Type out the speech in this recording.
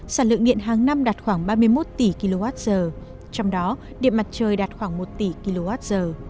sản lượng điện hàng năm đạt khoảng ba mươi một tỷ kwh trong đó điện mặt trời đạt khoảng một tỷ kwh